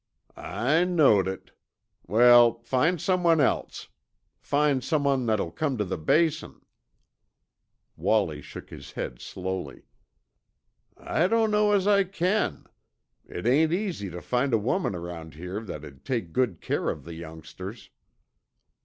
"I knowed it. Well, find someone else! Find someone that'll come tuh the Basin." Wallie shook his head slowly. "I dunno as I can. It ain't easy tuh find a woman around here that'd take good care of the youngsters."